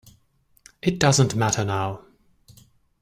It doesn't matter now.